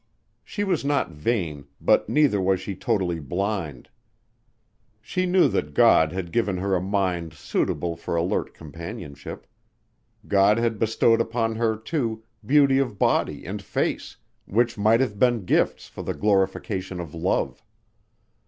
She was not vain, but neither was she totally blind. She knew that God had given her a mind suitable for alert companionship. God had bestowed upon her, too, beauty of body and face, which might have been gifts for the glorification of love.